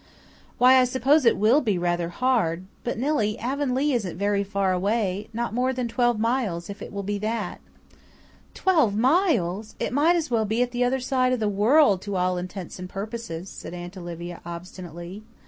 "Why, I suppose it will be rather hard. But, Nillie, Avonlea isn't very far away not more than twelve miles, if it will be that." "Twelve miles! It might as well be at the other side of the world to all intents and purposes," said Aunt Olivia obstinately.